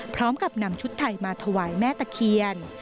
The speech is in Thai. พร้อมกับนำชุดไทยมาถวายแม่ตะเคียน